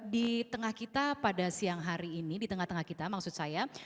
di tengah kita pada siang hari ini di tengah tengah kita maksud saya